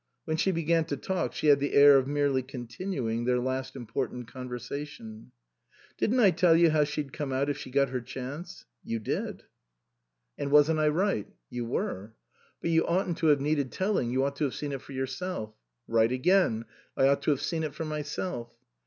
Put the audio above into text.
When she began to talk she had the air of merely continuing their last important conversation. " Didn't I tell you how she'd come out if she got her chance ?"" You did." 163 THE COSMOPOLITAN "And wasn't I right?" " You were." " But you oughtn't to have needed telling, you ought to have seen it for yourself." "Right again. I ought to have seen it for myself."